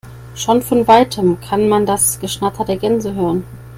Schon von weitem kann man das Geschnatter der Gänse hören.